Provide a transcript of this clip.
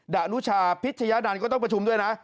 ดานุชาพิชยะนันต์ก็ต้องประชุมด้วยนะ